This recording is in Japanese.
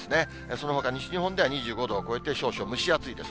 そのほか西日本では２５度を超えて、少々蒸し暑いです。